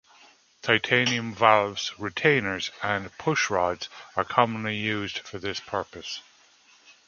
Titanium valves, retainers, and pushrods are commonly used for this purpose.